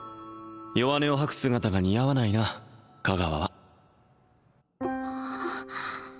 弱音を吐く姿が似合わないな香川は